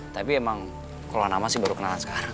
tapi emang kalau nama sih baru kenalan sekarang